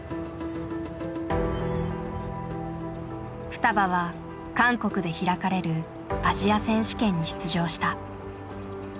ふたばは韓国で開かれるアジア選手権に出場した。